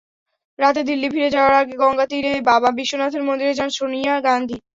রাতে দিল্লি ফিরে যাওয়ার আগে গঙ্গাতীরে বাবা বিশ্বনাথের মন্দিরে যান সোনিয়া গান্ধী।